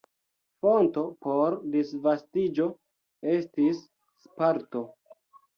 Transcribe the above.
Fonto por disvastiĝo estis Sparto.